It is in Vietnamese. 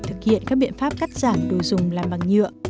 thực hiện các biện pháp cắt giảm đồ dùng làm bằng nhựa